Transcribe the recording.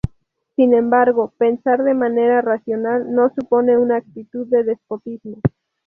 Sin embargo, pensar de manera racional no supone una actitud de despotismo.